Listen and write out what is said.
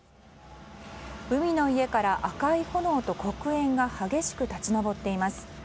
海の家から赤い炎と黒煙が激しく立ち上っています。